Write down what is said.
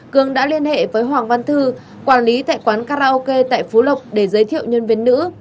cường đã liên hệ với hoàng văn thư quản lý tại quán karaoke tại phú lộc để giới thiệu nhân viên nữ